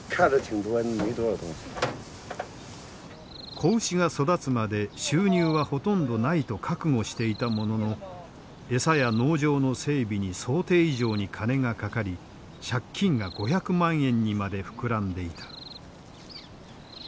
子牛が育つまで収入はほとんどないと覚悟していたものの餌や農場の整備に想定以上に金がかかり借金が５００万円にまで膨らんでいた。